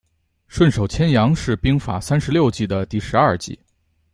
顺手牵羊是兵法三十六计的第十二计。